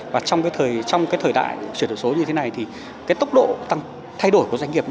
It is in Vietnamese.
và trong cái thời đại chuyển đổi số như thế này thì cái tốc độ tăng thay đổi của doanh nghiệp